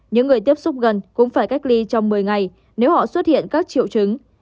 những người tiếp xúc gần cũng phải cách ly trong một mươi ngày nếu họ xuất hiện các triệu chứng